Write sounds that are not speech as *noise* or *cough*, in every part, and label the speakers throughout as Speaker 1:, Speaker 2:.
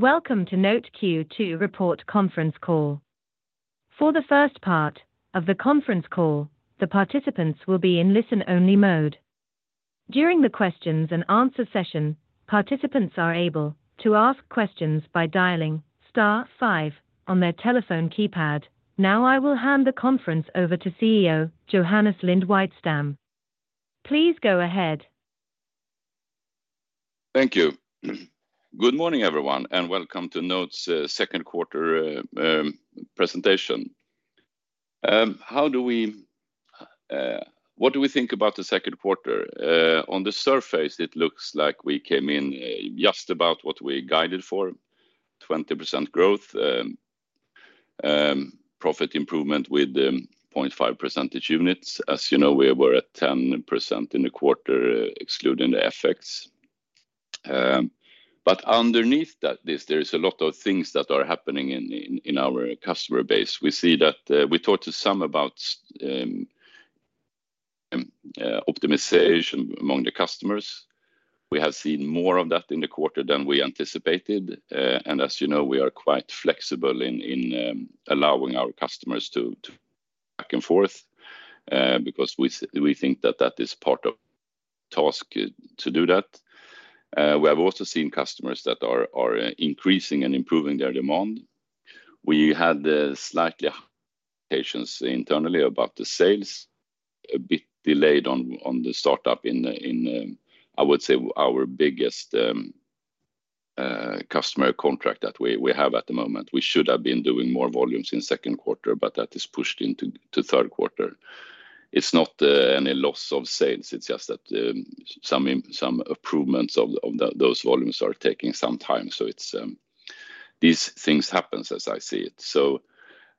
Speaker 1: Welcome to NOTE Q2 Report Conference Call. For the first part of the conference call, the participants will be in listen-only mode. During the questions-and-answer session, participants are able to ask questions by dialing star five on their telephone keypad. Now, I will hand the conference over to CEO, Johannes Lind-Widestam. Please go ahead.
Speaker 2: Thank you. Good morning, everyone, welcome to NOTE's second quarter presentation. What do we think about the second quarter? On the surface, it looks like we came in just about what we guided for, 20% growth, profit improvement with 0.5 percentage units. As you know, we were at 10% in the quarter, excluding the FX. Underneath that, there is a lot of things that are happening in our customer base. We see that we talked to some about optimization among the customers. We have seen more of that in the quarter than we anticipated. As you know, we are quite flexible in allowing our customers to back and forth, because we think that that is part of task to do that. We have also seen customers that are increasing and improving their demand. We had a slightly patience internally about the sales, a bit delayed on the startup in I would say our biggest customer contract that we have at the moment. We should have been doing more volumes in second quarter, that is pushed into third quarter. It's not any loss of sales, it's just that some improvements of those volumes are taking some time. It's, these things happens as I see it.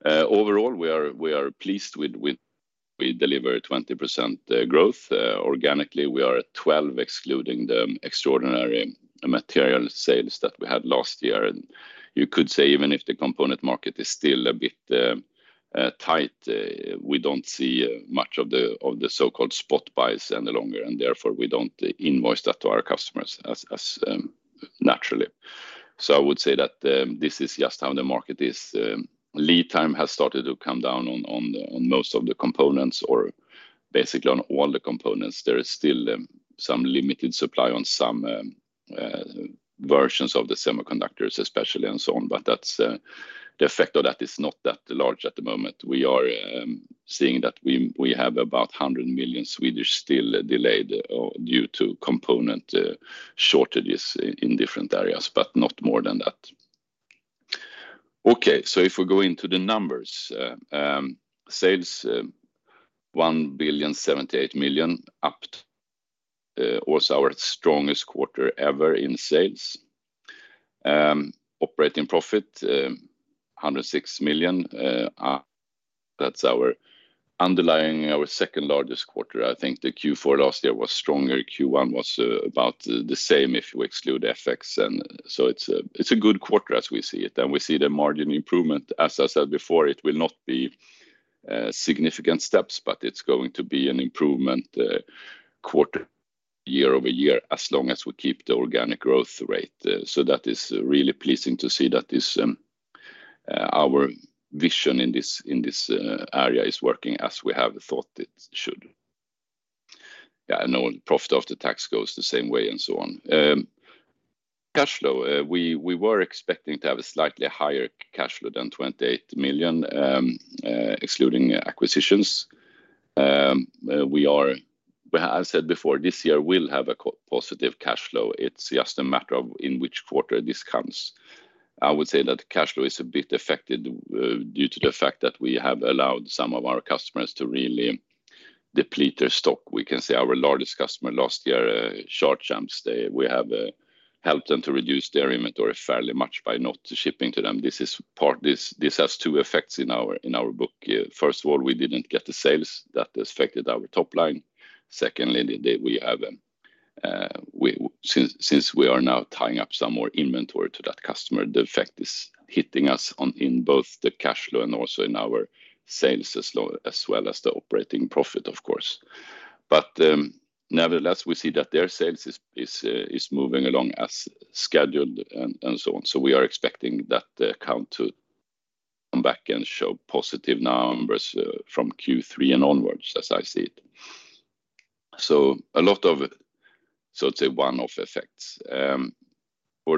Speaker 2: Overall, we are pleased with, we deliver 20% growth. Organically, we are at 12%, excluding the extraordinary material sales that we had last year. You could say, even if the component market is still a bit tight, we don't see much of the so-called spot buys any longer, and therefore, we don't invoice that to our customers as naturally. I would say that this is just how the market is. Lead time has started to come down on most of the components or basically on all the components. There is still some limited supply on some versions of the semiconductors, especially, and so on, but that's the effect of that is not that large at the moment. We are seeing that we have about 100 million still delayed due to component shortages in different areas, but not more than that. If we go into the numbers, sales 1,078,000,000 was our strongest quarter ever in sales. Operating profit 106 million, that's our underlying our second largest quarter. I think the Q4 last year was stronger. Q1 was about the same if you exclude FX. It's a good quarter as we see it, and we see the margin improvement. As I said before, it will not be significant steps, but it's going to be an improvement quarter year-over-year, as long as we keep the organic growth rate. That is really pleasing to see that this, our vision in this, in this area is working as we have thought it should. All profit of the tax goes the same way and so on. Cash flow, we were expecting to have a slightly higher cash flow than 28 million, excluding acquisitions. I've said before, this year will have a positive cash flow. It's just a matter of in which quarter this comes. I would say that cash flow is a bit affected due to the fact that we have allowed some of our customers to really deplete their stock. We can say our largest customer last year, Charge Amps, we have helped them to reduce their inventory fairly much by not shipping to them. This is part. This has two effects in our, in our book. First of all, we didn't get the sales that affected our top line. Secondly, since we are now tying up some more inventory to that customer, the effect is hitting us on in both the cash flow and also in our sales as low, as well as the operating profit, of course. Nevertheless, we see that their sales is moving along as scheduled and so on. We are expecting that account to come back and show positive numbers from Q3 and onwards, as I see it. It's a one-off effects. For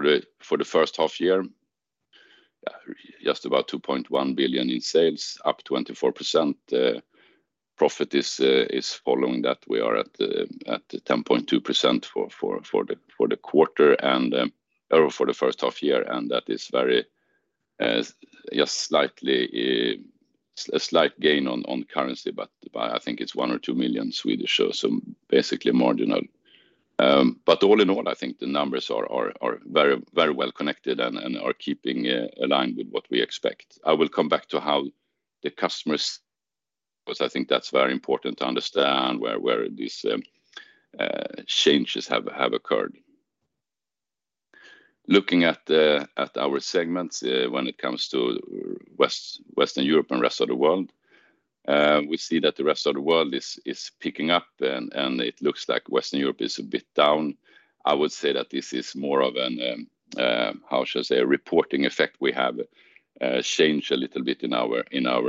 Speaker 2: the first half year, just about 2.1 billion in sales, up 24%, profit is following that. We are at the 10.2% for the quarter or for the first half-year, that is just slightly a slight gain on currency, but by I think it's 1 million- 2 million, so basically marginal. All in all, I think the numbers are very well connected and are keeping aligned with what we expect. I will come back to how the customers, because I think that's very important to understand where these changes have occurred. Looking at our segments, when it comes to Western Europe and rest of the world. We see that the rest of the world is picking up, and it looks like Western Europe is a bit down. I would say that this is more of an how should I say, a reporting effect. We have changed a little bit in our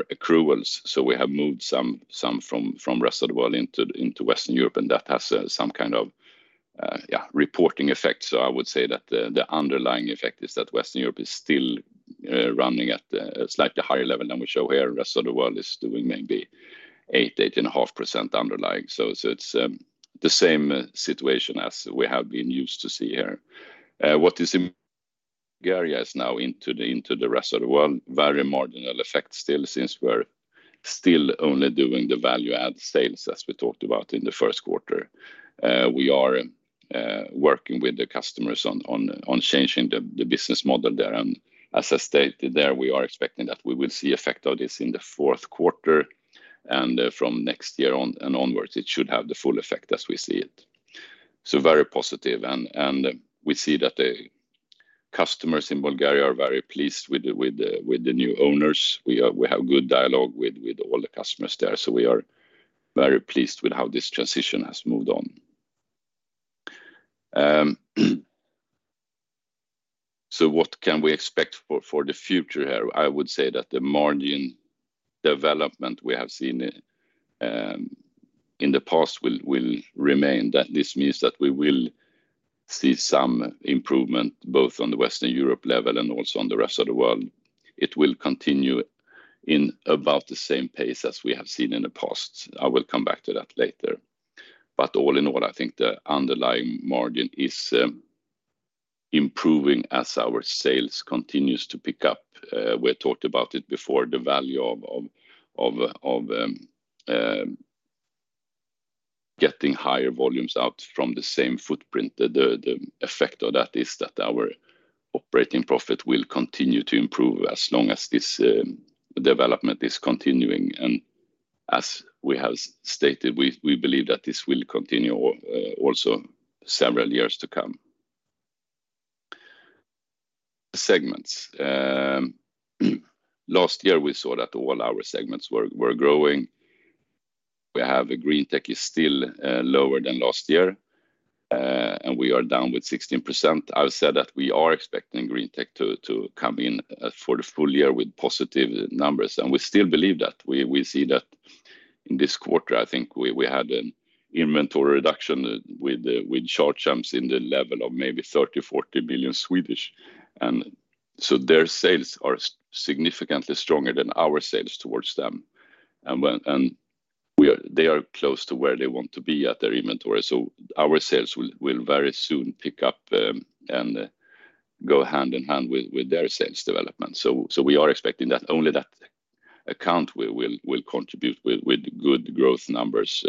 Speaker 2: accruals, so we have moved some from rest of the world into Western Europe, and that has some kind of yeah, reporting effect. I would say that the underlying effect is that Western Europe is still running at a slightly higher level than we show here. The rest of the world is doing maybe 8.5% underlying. it's the same situation as we have been used to see here. What is in Bulgaria is now into the rest of the world. Very marginal effect still, since we're still only doing the value-add sales, as we talked about in the first quarter. We are working with the customers on changing the business model there. As I stated there, we are expecting that we will see effect of this in the fourth quarter, and from next year on and onwards, it should have the full effect as we see it. Very positive, and we see that the customers in Bulgaria are very pleased with the new owners. We have good dialogue with all the customers there, so we are very pleased with how this transition has moved on. What can we expect for the future here? I would say that the margin development we have seen in the past will remain. This means that we will see some improvement, both on the Western Europe level and also on the rest of the world. It will continue in about the same pace as we have seen in the past. I will come back to that later. All in all, I think the underlying margin is improving as our sales continues to pick up. We talked about it before, the value of getting higher volumes out from the same footprint. The effect of that is that our operating profit will continue to improve as long as this development is continuing, and as we have stated, we believe that this will continue also several years to come. The segments. Last year, we saw that all our segments were growing. We have a Greentech is still lower than last year. We are down with 16%. I've said that we are expecting Greentech to come in for the full year with positive numbers. We still believe that. We see that in this quarter, I think we had an inventory reduction with Short Champs in the level of maybe 30 million-40 million. Their sales are significantly stronger than our sales towards them. They are close to where they want to be at their inventory, our sales will very soon pick up and go hand in hand with their sales development. We are expecting that only that account will contribute with good growth numbers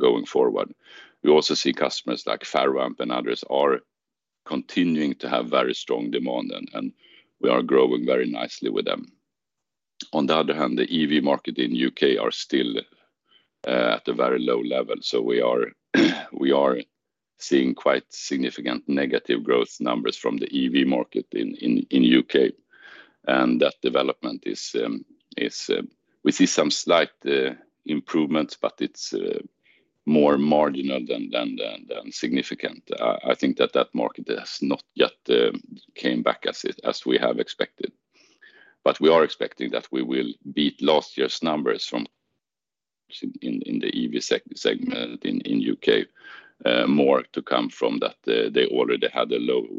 Speaker 2: going forward. We also see customers like Ferroamp and others are continuing to have very strong demand, and we are growing very nicely with them. On the other hand, the EV market in U.K. are still at a very low level, so we are seeing quite significant negative growth numbers from the EV market in U.K. That development is. We see some slight improvements, but it's more marginal than significant. I think that market has not yet came back as we have expected. We are expecting that we will beat last year's numbers from the EV segment in U.K. More to come from that.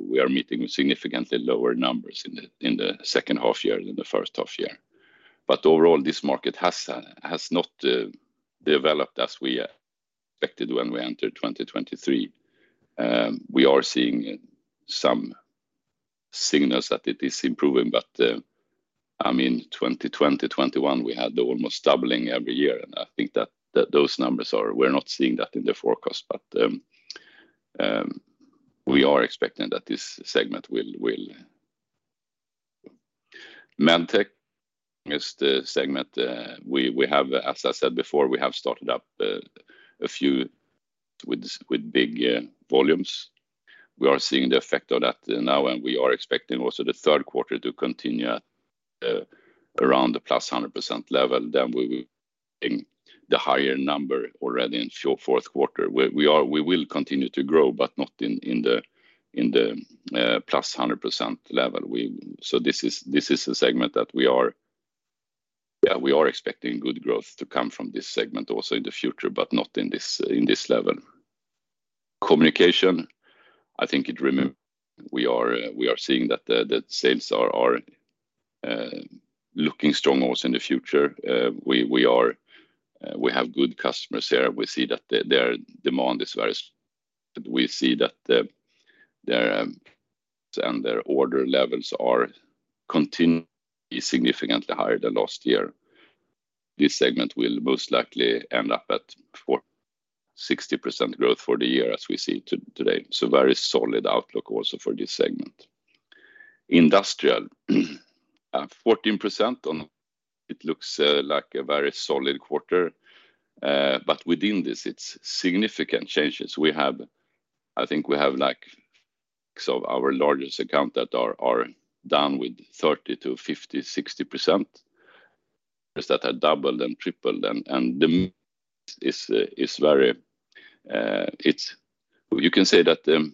Speaker 2: We are meeting with significantly lower numbers in the second half year than the first half year. Overall, this market has not developed as we expected when we entered 2023. We are seeing some signals that it is improving, but I mean, 2020, 2021, we had the almost doubling every year, and I think that those numbers, we're not seeing that in the forecast. We are expecting that this segment. Medtech is the segment we have, as I said before, we have started up a few with this, with big volumes. We are seeing the effect of that now. We are expecting also the third quarter to continue at around the +100% level. We will in the higher number already in fourth quarter. We will continue to grow, but not in the +100% level. This is a segment that we are expecting good growth to come from this segment also in the future, but not in this, in this level. Communication, I think it remain. We are seeing that the sales are looking strong also in the future. We have good customers here. We see that their demand is very. We see that their and their order levels are continue significantly higher than last year. This segment will most likely end up at 40%-60% growth for the year as we see today. Very solid outlook also for this segment. Industrial, at 14% on it looks like a very solid quarter. Within this, it's significant changes. We have, I think we have our largest account that are down with 30%-50%, 60%. Those that have doubled and tripled and the is very, it's You can say that the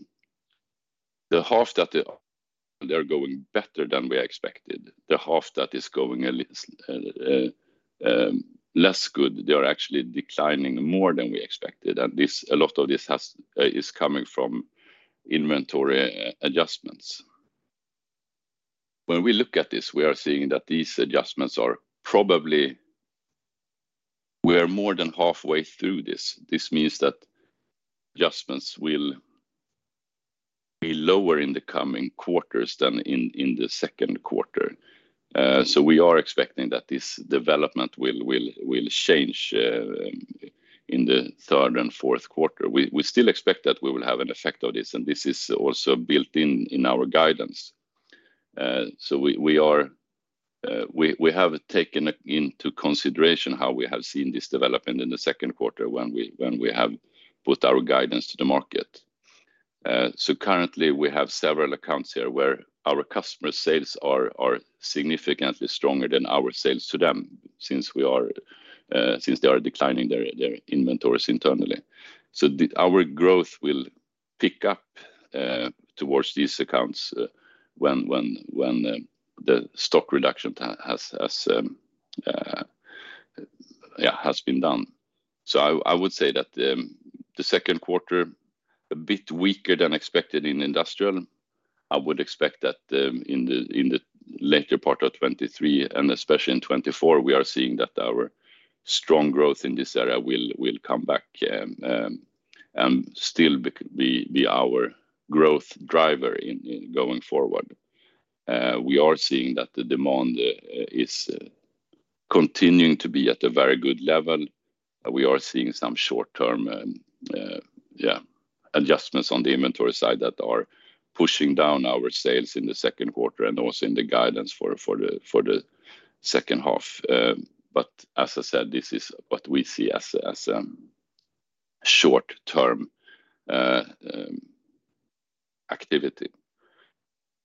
Speaker 2: half that they're going better than we expected. The half that is going a little less good, they are actually declining more than we expected, this, a lot of this has is coming from inventory adjustments. When we look at this, we are seeing that these adjustments are probably we are more than halfway through this. This means that adjustments will be lower in the coming quarters than in the second quarter. We are expecting that this development will change in the third and fourth quarter. We still expect that we will have an effect of this, and this is also built in our guidance. We are, we have taken into consideration how we have seen this development in the second quarter when we have put our guidance to the market. Currently, we have several accounts here where our customer sales are significantly stronger than our sales to them, since we are since they are declining their inventories internally. Our growth will pick up towards these accounts when the stock reduction has been done. I would say that the second quarter, a bit weaker than expected in Industrial. I would expect that in the later part of 2023, and especially in 2024, we are seeing that our strong growth in this area will come back and still be our growth driver in going forward. We are seeing that the demand is continuing to be at a very good level. We are seeing some short term adjustments on the inventory side that are pushing down our sales in the second quarter and also in the guidance for the second half. As I said, this is what we see as short term activity.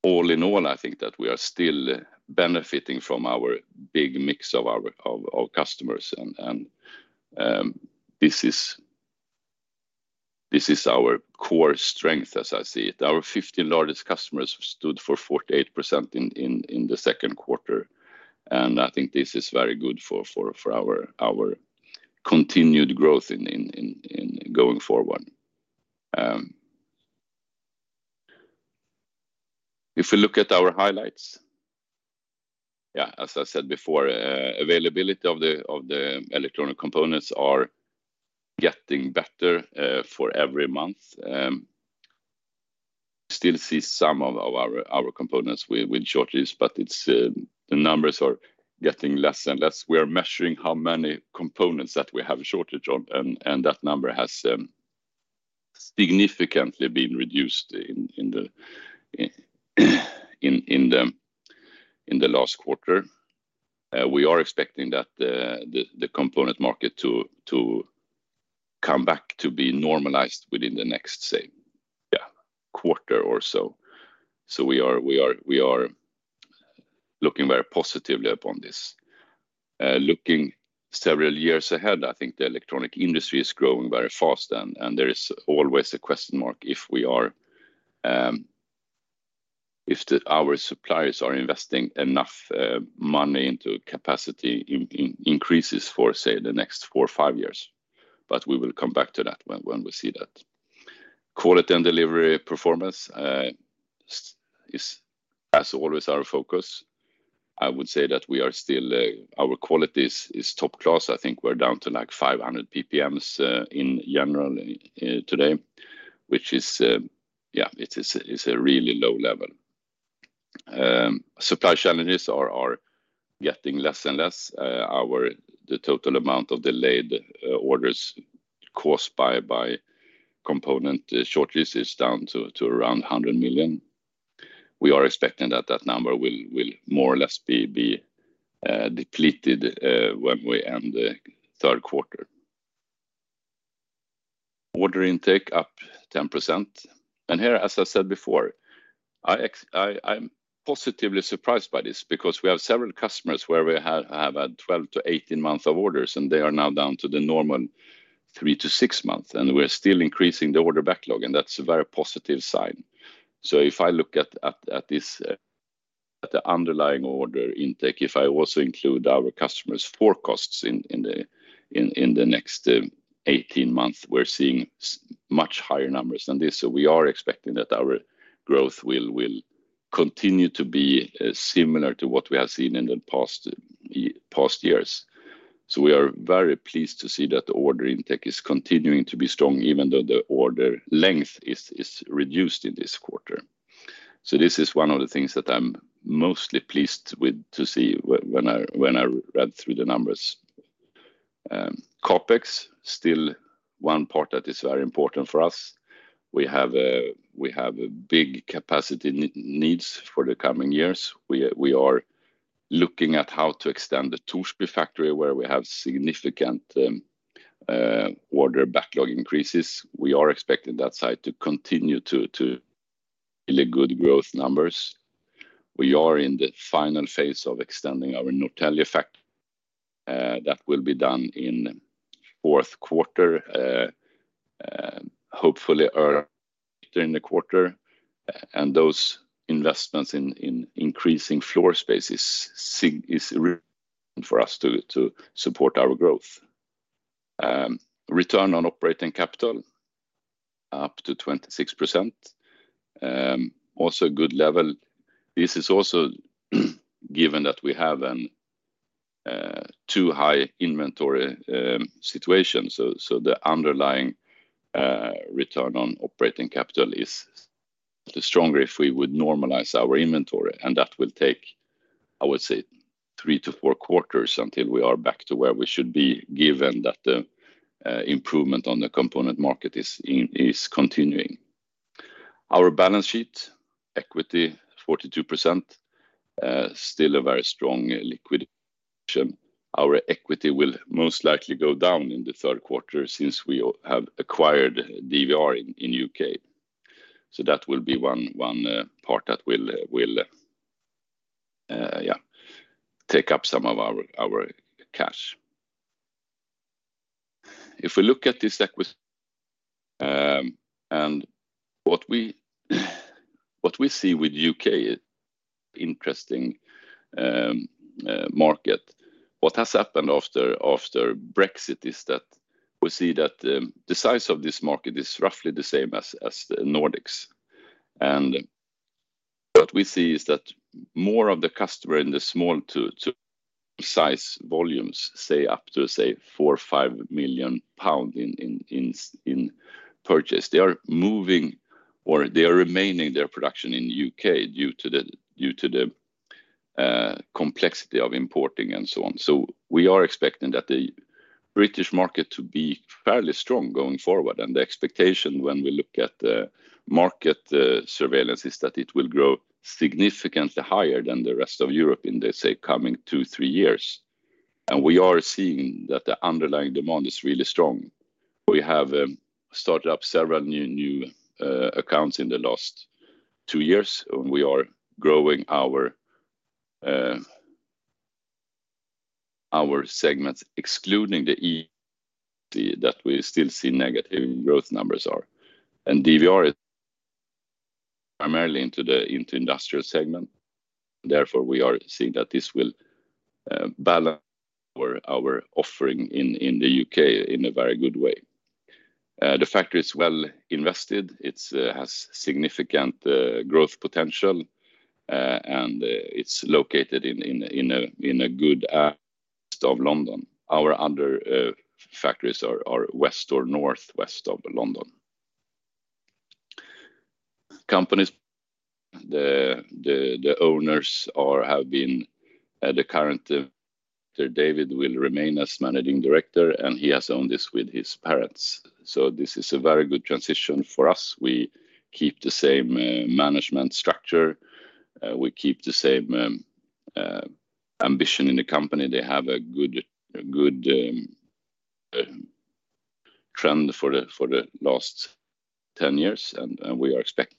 Speaker 2: All in all, I think that we are still benefiting from our big mix of our customers, and this is our core strength, as I see it. Our 50 largest customers stood for 48% in the second quarter, and I think this is very good for our continued growth going forward. If you look at our highlights, as I said before, availability of the electronic components are getting better for every month. Still see some of our components with shortages, but it's the numbers are getting less and less. We are measuring how many components that we have a shortage on, and that number has significantly been reduced in the last quarter. We are expecting that the component market to come back to be normalized within the next, say, quarter or so. We are looking very positively upon this. Looking several years ahead, I think the electronic industry is growing very fast, and there is always a question mark if we are if the our suppliers are investing enough money into capacity increases for, say, the next four or five years. We will come back to that when we see that. Quality and delivery performance is, as always, our focus. I would say that we are still, our quality is top class. I think we're down to, like, 500 PPMs in general today, which is, it's a really low level. Supply challenges are getting less and less. The total amount of delayed orders caused by component shortages is down to around 100 million. We are expecting that that number will more or less be depleted when we end the third quarter. Order intake up 10%. Here, as I said before, I'm positively surprised by this because we have several customers where we have had 12-18 months of orders, and they are now down to the normal three to six months, and we're still increasing the order backlog, and that's a very positive sign. If I look at this at the underlying order intake, if I also include our customers' forecasts in the next 18 months, we're seeing much higher numbers than this. We are expecting that our growth will continue to be similar to what we have seen in the past years. We are very pleased to see that the order intake is continuing to be strong, even though the order length is reduced in this quarter. This is one of the things that I'm mostly pleased with to see when I read through the numbers. CapEx, still one part that is very important for us. We have a big capacity needs for the coming years. We are looking at how to extend the Torsby factory, where we have significant order backlog increases. We are expecting that site to continue to really good growth numbers. We are in the final phase of extending our Norrtälje factory. That will be done in fourth quarter, hopefully, earlier during the quarter, those investments in increasing floor space is for us to support our growth. Return on operating capital up to 26%. Also, a good level. This is also given that we have an too high inventory situation. The underlying return on operating capital is the stronger if we would normalize our inventory, and that will take, I would say, three to four quarters until we are back to where we should be, given that the improvement on the component market is continuing. Our balance sheet, equity, 42% still a very strong liquid. Our equity will most likely go down in the third quarter since we have acquired DVR in U.K. That will be one part that will take up some of our cash. If we look at this equity, and what we see with U.K., interesting market. What has happened after Brexit is that we see that the size of this market is roughly the same as the Nordics. What we see is that more of the customer in the small to size volumes, up to 4million- 5 million pounds in purchase. They are moving or they are remaining their production in the U.K. due to the complexity of importing and so on. We are expecting that the British market to be fairly strong going forward, and the expectation when we look at the market surveillance, is that it will grow significantly higher than the rest of Europe in the coming two, three years. We are seeing that the underlying demand is really strong. We have started up several new accounts in the last two years, and we are growing our segments, excluding the, *audio distortion* that we still see negative growth numbers are. DVR is primarily into the Industrial segment. Therefore, we are seeing that this will balance our offering in the U.K. in a very good way. The factory is well invested. It has significant growth potential, and it's located in a good of London. Our other factories are west or northwest of London. Companies, the owners have been, the current David will remain as managing director, and he has owned this with his parents. This is a very good transition for us. We keep the same management structure, we keep the same ambition in the company. They have a good trend for the last 10 years, and we are expecting.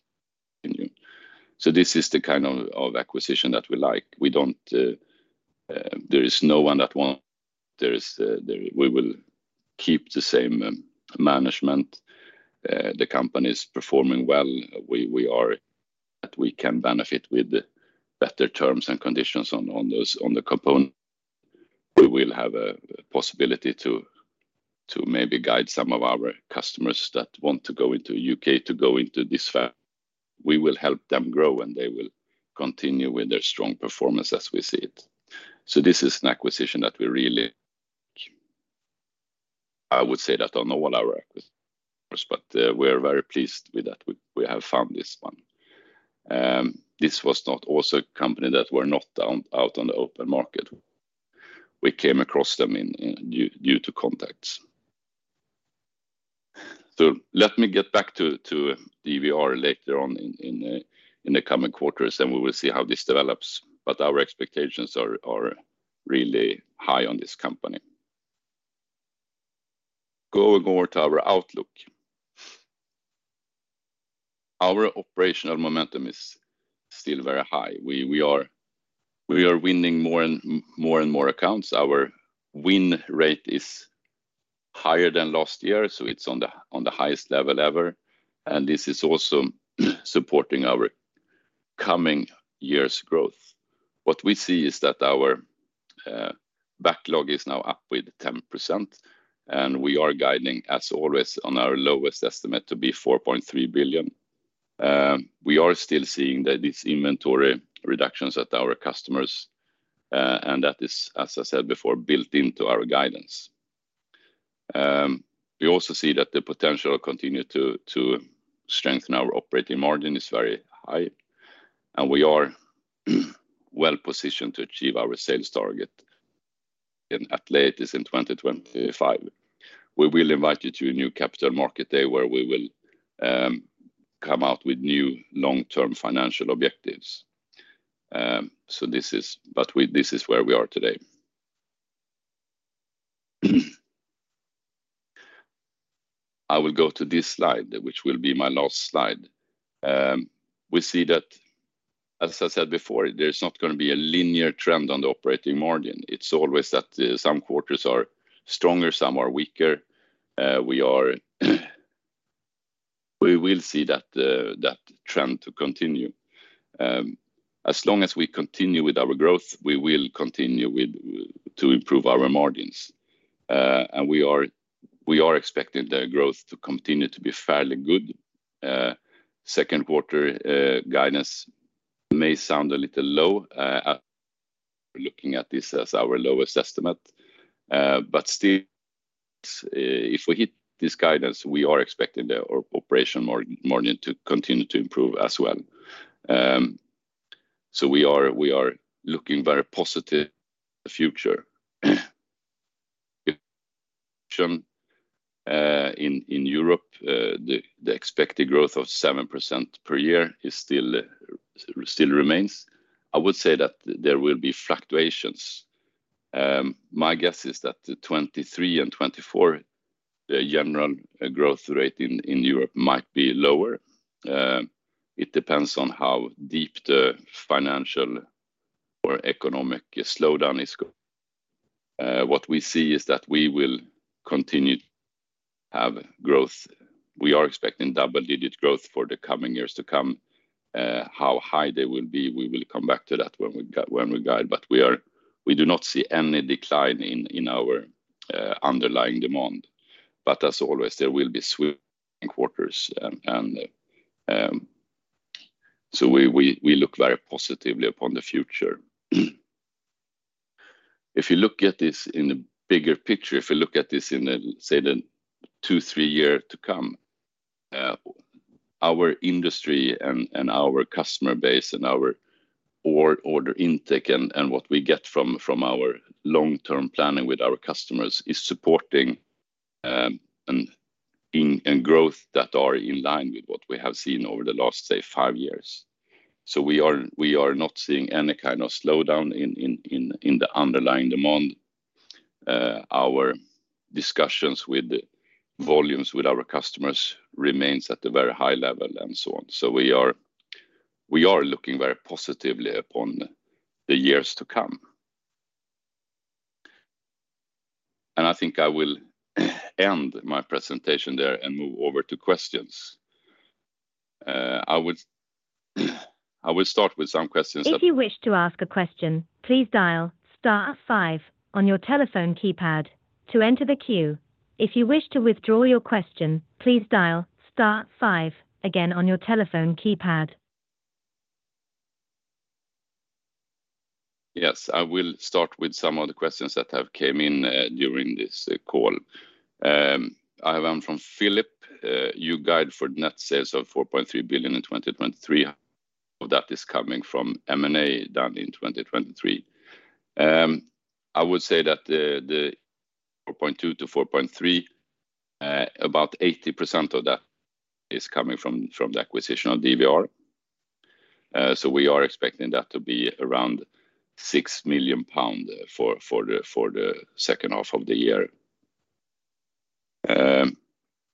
Speaker 2: This is the kind of acquisition that we like. We don't, there is no one. There is, we will keep the same management. The company is performing well. We are, that we can benefit with better terms and conditions on those, on the component. We will have a possibility to maybe guide some of our customers that want to go into U.K., to go into this firm. We will help them grow, and they will continue with their strong performance as we see it. This is an acquisition that we really. I would say that on all our acquisitions, but we are very pleased with that. We have found this one. This was not also a company that were not down, out on the open market. We came across them due to contacts. Let me get back to DVR later on in the coming quarters, and we will see how this develops, but our expectations are really high on this company. Go more to our outlook. Our operational momentum is still very high. We are winning more and more accounts. Our win rate is higher than last year, so it's on the highest level ever, and this is also supporting our coming year's growth. What we see is that our backlog is now up with 10%. We are guiding, as always, on our lowest estimate, to be 4.3 billion. We are still seeing that this inventory reductions at our customers, that is, as I said before, built into our guidance. We also see that the potential continue to strengthen our operating margin is very high. We are well positioned to achieve our sales target. At latest in 2025, we will invite you to a new Capital Markets Day, where we will come out with new long-term financial objectives. This is where we are today. I will go to this slide, which will be my last slide. We see that, as I said before, there's not gonna be a linear trend on the operating margin. It's always that, some quarters are stronger, some are weaker. We will see that trend to continue. As long as we continue with our growth, we will continue to improve our margins. We are expecting the growth to continue to be fairly good. Second quarter guidance may sound a little low, looking at this as our lowest estimate, but still, if we hit this guidance, we are expecting the operation margin to continue to improve as well. We are looking very positive future. In Europe, the expected growth of 7% per year still remains. I would say that there will be fluctuations. My guess is that the 2023 and 2024, the general growth rate in Europe might be lower. It depends on how deep the financial or economic slowdown is. What we see is that we will continue to have growth. We are expecting double-digit growth for the coming years to come. How high they will be, we will come back to that when we guide, but we do not see any decline in our underlying demand. As always, there will be swing quarters. We look very positively upon the future. If you look at this in the bigger picture, if you look at this in a, say, the two, three years to come, our industry and our customer base, and our order intake, and what we get from our long-term planning with our customers, is supporting, and growth that are in line with what we have seen over the last, say, five years. We are not seeing any kind of slowdown in the underlying demand. Our discussions with the volumes with our customers remains at a very high level, and so on. We are looking very positively upon the years to come. I think I will end my presentation there and move over to questions. I will start with some questions that. *crosstalk*
Speaker 1: If you wish to ask a question, please dial star five on your telephone keypad to enter the queue. If you wish to withdraw your question, please dial star five again on your telephone keypad.
Speaker 2: Yes, I will start with some of the questions that have came in during this call. I have one from Philip: "You guide for net sales of 4.3 billion in 2023. All that is coming from M&A done in 2023?" I would say that the 4.2 billion-4.3 billion, about 80% of that is coming from the acquisition of DVR. We are expecting that to be around 6 million pound for the second half of the year.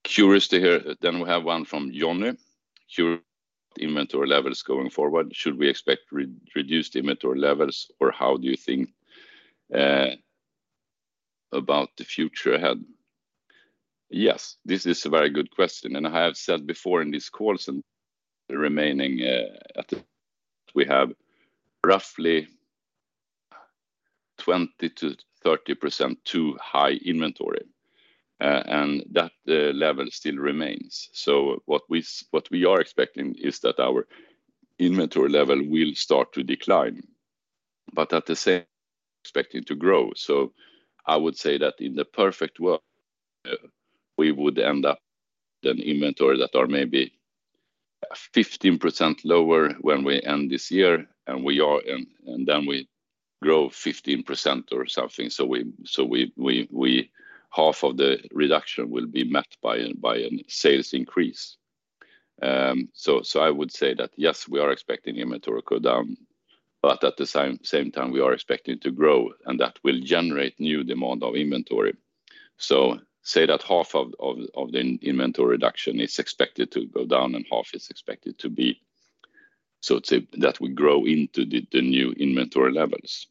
Speaker 2: Curious to hear. We have one from Johnny: "Your inventory levels going forward, should we expect reduced inventory levels, or how do you think about the future ahead?" This is a very good question. I have said before in these calls and the remaining, we have roughly 20%-30% too high inventory, and that level still remains. What we are expecting is that our inventory level will start to decline, but at the same, expecting to grow. I would say that in the perfect world, we would end up an inventory that are maybe 15% lower when we end this year, then we grow 15% or something. We, half of the reduction will be met by a sales increase. I would say that, yes, we are expecting inventory to go down, but at the same time, we are expecting to grow, that will generate new demand of inventory. Say that half of the inventory reduction is expected to go down, half is expected to be, so to say, that we grow into the new inventory levels.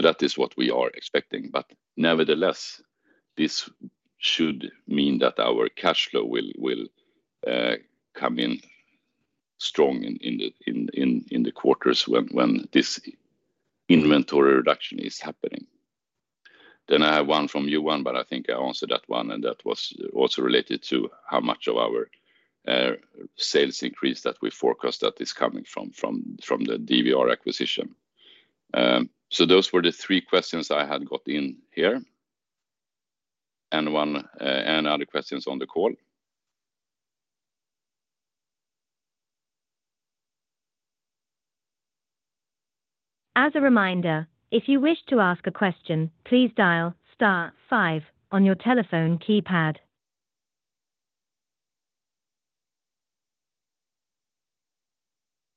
Speaker 2: That is what we are expecting, nevertheless, this should mean that our cash flow will come in strong in the quarters when this inventory reduction is happening. I have one from Yuan, but I think I answered that one, and that was also related to how much of our sales increase that we forecast that is coming from the DVR acquisition. Those were the three questions I had got in here, and one and other questions on the call.
Speaker 1: As a reminder, if you wish to ask a question, please dial star five on your telephone keypad.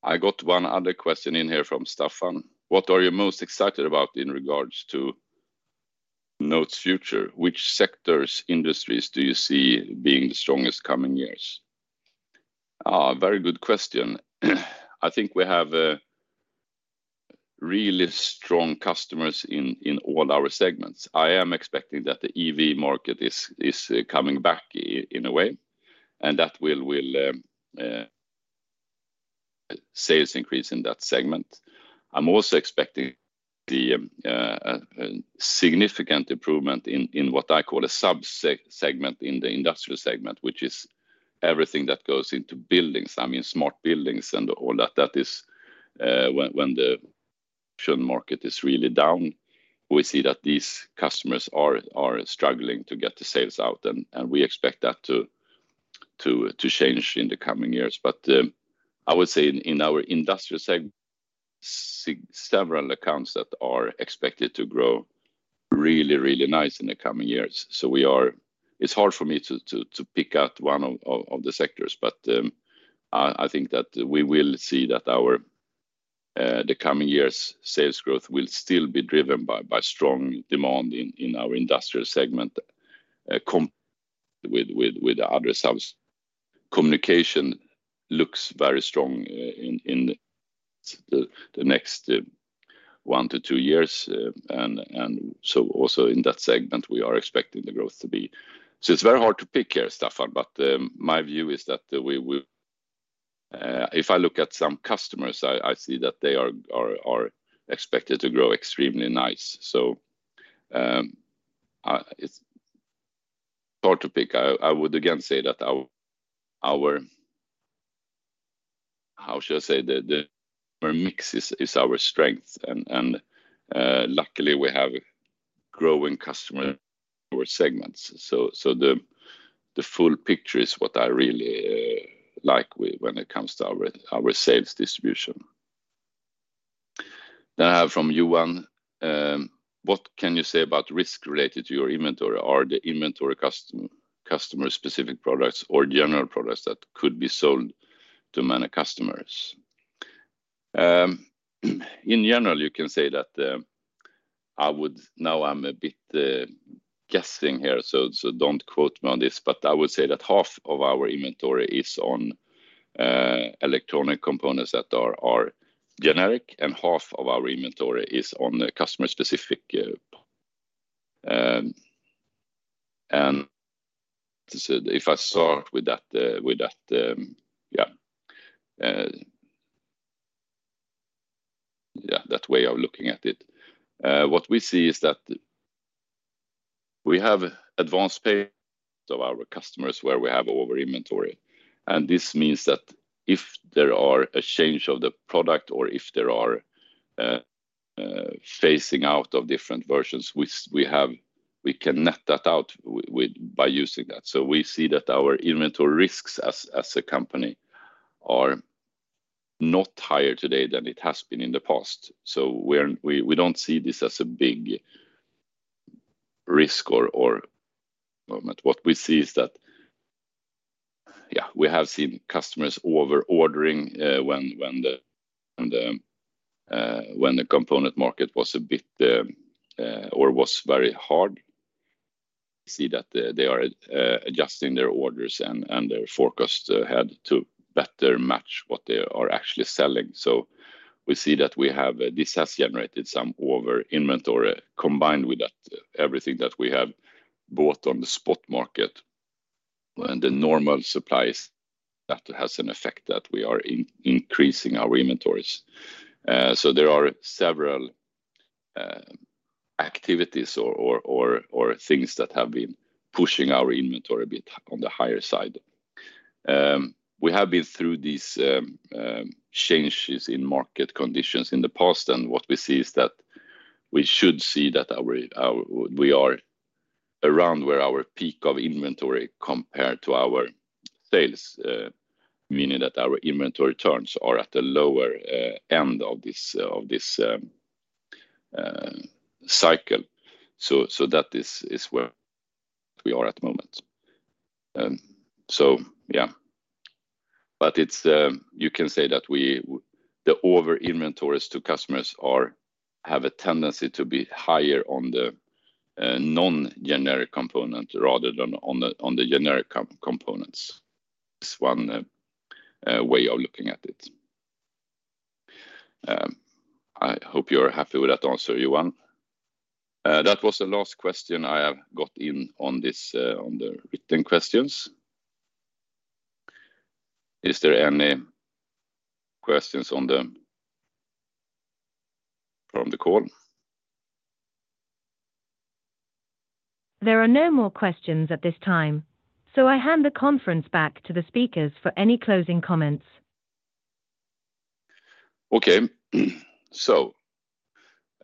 Speaker 2: I got one other question in here from Staffan: What are you most excited about in regards to NOTE's future? Which sectors, industries do you see being the strongest coming years? Very good question. I think we have really strong customers in all our segments. I am expecting that the EV market is coming back in a way, and that will sales increase in that segment. I'm also expecting the significant improvement in what I call a segment in the industrial segment, which is everything that goes into buildings, I mean, smart buildings and all that is when the market is really down. We see that these customers are struggling to get the sales out, and we expect that to change in the coming years. I would say in our industrial segment, several accounts that are expected to grow really, really nice in the coming years. It's hard for me to pick out one of the sectors, but I think that we will see that our, the coming years' sales growth will still be driven by strong demand in our industrial segment with the other subs. Communication looks very strong in the next one to two years. And so also in that segment, we are expecting the growth to be. It's very hard to pick here, Staffan, but my view is that we will, if I look at some customers, I see that they are expected to grow extremely nice. It's hard to pick. I would again say that our, how should I say? The, our mix is our strength, and luckily, we have growing customer segments. The full picture is what I really like when it comes to our sales distribution. I have from Yuan: What can you say about risk related to your inventory? Are the inventory customer-specific products or general products that could be sold to many customers? In general, you can say that I would, now I'm a bit guessing here, so don't quote me on this, but I would say that half of our inventory is on electronic components that are generic, and half of our inventory is on the customer-specific. If I start with that, with that, yeah, that way of looking at it. What we see is that we have advanced pay of our customers, where we have over inventory, and this means that if there are a change of the product or if there are phasing out of different versions, which we have, we can net that out with by using that. We see that our inventory risks as a company are not higher today than it has been in the past. We don't see this as a big risk or. What we see is that, yeah, we have seen customers over ordering when the component market was a bit or was very hard. We see that they are adjusting their orders and their forecast had to better match what they are actually selling. We see that we have this has generated some over inventory. Combined with that, everything that we have bought on the spot market and the normal supplies, that has an effect that we are increasing our inventories. There are several activities or things that have been pushing our inventory a bit on the higher side. We have been through these changes in market conditions in the past, and what we see is that we should see that we are around where our peak of inventory compared to our sales, meaning that our inventory turns are at the lower end of this cycle. That is where we are at the moment. Yeah. It's, you can say that we, the over inventories to customers are, have a tendency to be higher on the non-generic component rather than on the generic components. It's one way of looking at it. I hope you're happy with that answer, Yuan. That was the last question I have got in on this on the written questions. Is there any questions on the, from the call?
Speaker 1: There are no more questions at this time, so I hand the conference back to the speakers for any closing comments.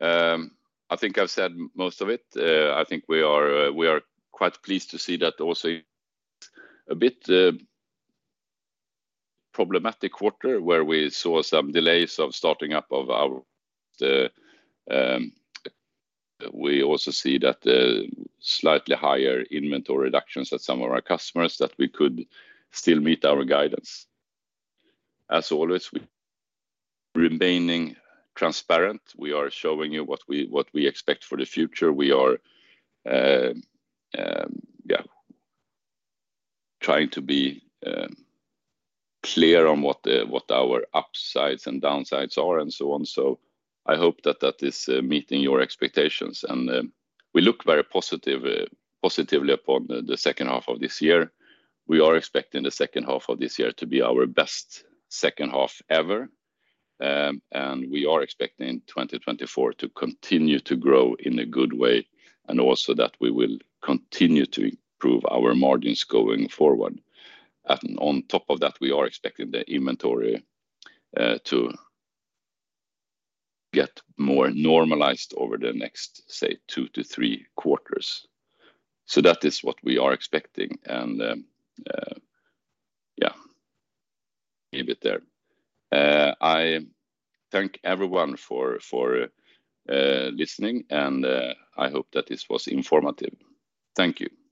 Speaker 2: I think I've said most of it. I think we are quite pleased to see that also a bit problematic quarter, where we saw some delays of starting up of our. We also see that the slightly higher inventory reductions at some of our customers, that we could still meet our guidance. As always, we remaining transparent. We are showing you what we expect for the future. We are trying to be clear on what our upsides and downsides are, and so on. I hope that that is meeting your expectations, and we look very positive, positively upon the second half of this year. We are expecting the second half of this year to be our best second half ever. We are expecting 2024 to continue to grow in a good way, and also that we will continue to improve our margins going forward. On top of that, we are expecting the inventory to get more normalized over the next, say, two to three quarters. That is what we are expecting, and, yeah, leave it there. I thank everyone for listening, and I hope that this was informative. Thank you.